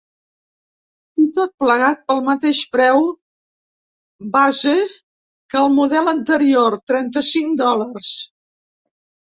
I, tot plegat, pel mateix preu base que el model anterior: trenta-cinc dòlars.